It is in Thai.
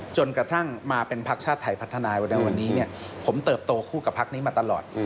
จนกระทั่งมาเป็นพักชาติไทยพัฒนาวันนี้ผมเติบโตคู่กับพักนี้มาตลอด